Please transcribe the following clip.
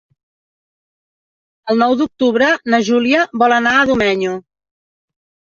El nou d'octubre na Júlia vol anar a Domenyo.